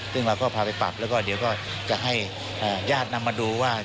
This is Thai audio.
ซึ่งเราก็พาไปปรับแล้วก็เดี๋ยวก็จะให้ญาตินำมาดูว่า